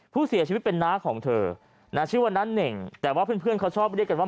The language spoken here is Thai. ผู้เสียชีวิตเป็นน้าของเธอนะชื่อว่าน้าเน่งแต่ว่าเพื่อนเขาชอบเรียกกันว่า